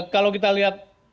kalau kita lihat